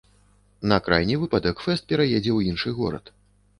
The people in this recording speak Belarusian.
На крайні выпадак фэст пераедзе ў іншы горад.